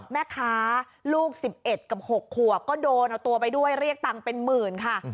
แม่ค้าลูก๑๑กับ๖ขวบก็โดนเอาตัวไปด้วยเรียกตังค์เป็นหมื่นค่ะ